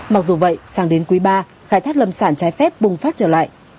mặc dù vậy sang đến quý ba khai thác lâm sản trái phép bùng phát trở lại